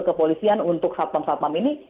kepolisian untuk satpam satpam ini